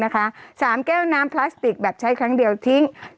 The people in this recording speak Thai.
สามแก้วน้ำพลาสติกแบบใช้ครั้งเดียวทิ้ง